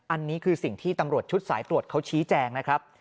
อันนี้คือสิ่งที่ตำรวจชุดสายตรวจเขาชี้แจงนะครับ